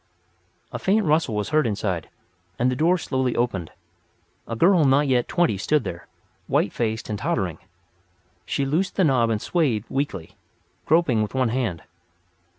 A faint rustle was heard inside, and the door slowly opened. A girl not yet twenty stood there, white faced and tottering. She loosed the knob and swayed weakly, groping with one hand.